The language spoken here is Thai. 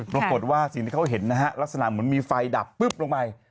ปรากฏว่าสิ่งที่เขาเห็นนะฮะลักษณะเหมือนมีไฟดับปุ๊บลงไป